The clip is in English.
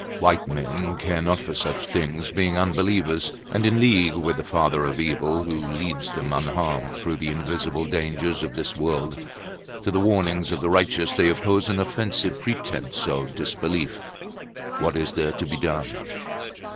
White men care not for such things, being unbelievers and in league with the Father of Evil, who leads them unharmed through the invisible dangers of this world. To the warnings of the righteous they oppose an offensive pretence of disbelief. What is there to be done?